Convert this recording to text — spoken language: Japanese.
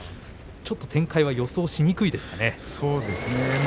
ちょっと展開が予想しにくいですね。